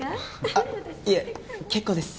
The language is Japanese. あっいえ結構です。